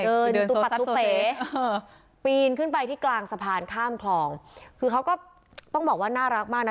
ตุปัตตุเป๋ปีนขึ้นไปที่กลางสะพานข้ามคลองคือเขาก็ต้องบอกว่าน่ารักมากนะ